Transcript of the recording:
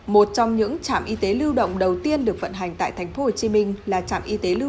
một trong những trạm y tế lưu động đầu tiên được vận hành tại tp hcm là trạm y tế lưu